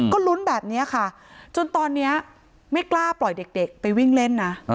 ก็ลุ้นแบบนี้ค่ะจนตอนนี้ไม่กล้าปล่อยเด็กไปวิ่งเล่นนะ